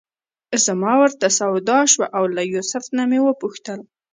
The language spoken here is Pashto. زما ورته سودا شوه او له یوسف نه مې وپوښتل.